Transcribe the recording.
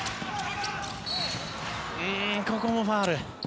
ここもファウル。